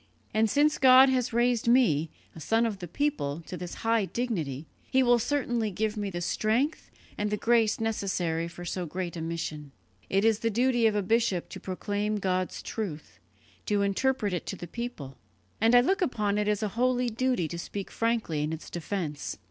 And since God has raised me, a son of the people, to this high dignity, He will certainly give me the strength and the grace necessary for so great a mission. It is the duty of a bishop to proclaim God's truth, to interpret it to the people; and I look upon it as a holy duty to speak frankly in its defence.